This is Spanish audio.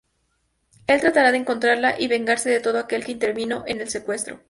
Él tratará de encontrarla y vengarse de todo aquel que intervino en el secuestro.